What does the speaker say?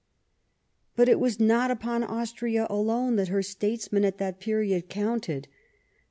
But it was not upon Austria alone that her statesmen at that period counted.